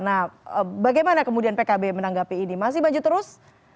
nah bagaimana kemudian pkb menanggapi ini masih maju terus